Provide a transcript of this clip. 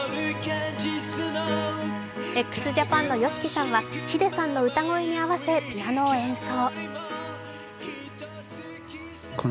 ＸＪＡＰＡＮのＹＯＳＨＩＫＩさんはｈｉｄｅさんの歌声に合わせピアノを演奏。